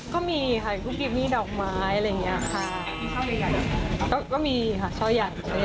ก็มีค่ะกูกลีบมีดอกไม้อะไรอย่างเงี้ยค่ะ